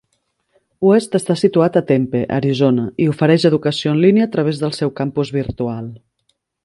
West està situat a Tempe, Arizona, i ofereix educació en línia a través del seu campus virtual.